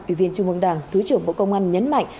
ủy viên trung ương đảng thứ trưởng bộ công an nhấn mạnh